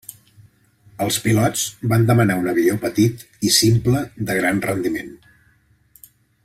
Els pilots van demanar un avió petit i simple de gran rendiment.